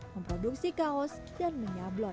memproduksi kaos dan menyablon